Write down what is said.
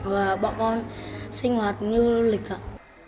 và bọn con sinh hoạt như lịch hợp